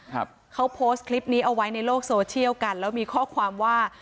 ครับเขาโพสต์คลิปนี้เอาไว้ในโลกโซเชียลกันแล้วมีข้อความว่า